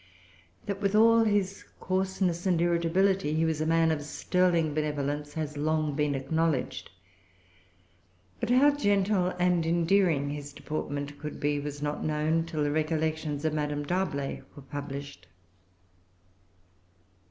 That, with all his coarseness and irritability, he was a man of sterling benevolence has long been acknowledged. But how gentle and endearing his deportment could be was not known till the Recollections of Madame D'Arblay were published.